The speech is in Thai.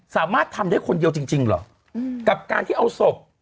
สามารถทำได้คนเดียวจริงจริงเหรอกับการที่เอาศพ